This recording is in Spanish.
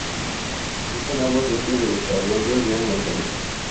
Habita las aguas limpias de los arroyos de montaña.